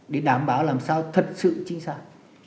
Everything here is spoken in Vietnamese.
để đảm bảo làm sao thật sự chính xác